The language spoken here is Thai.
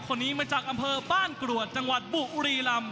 คนนี้มาจากอำเภอบ้านกรวดจังหวัดบุรีลำ